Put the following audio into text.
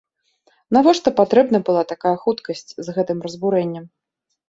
Навошта патрэбна была такая хуткасць з гэтым разбурэннем?